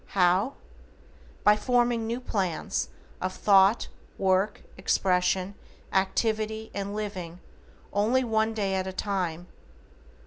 How? By forming new PLANS of thought, work, expression, activity, and living only one day at a time.